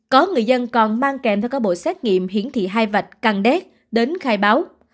có người dân còn mang kèm theo các bộ xét nghiệm hiển thị hai vạch căn đét đến khai báo